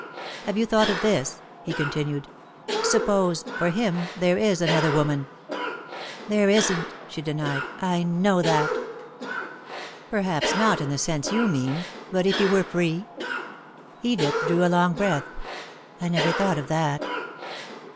"Have you thought of this?" he continued. "Suppose, for him, there is another woman " "There isn't," she denied. "I know that." "Perhaps not in the sense you mean, but if he were free ?" Edith drew a long breath. "I never thought of that."